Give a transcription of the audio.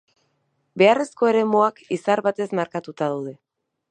Beharrezko eremuak izar batez markatuta daude.